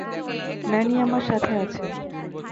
Many আমার সাথে আছে।